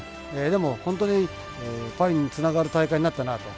でも、本当にパリにつながる大会になったなと。